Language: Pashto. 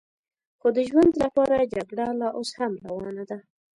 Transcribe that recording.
خو د ژوند لپاره جګړه لا اوس هم روانه ده.